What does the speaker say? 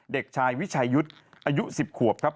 เด็กชายวิชายุทธ์อายุ๑๐ขวบครับ